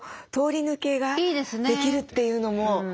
通り抜けができるっていうのも。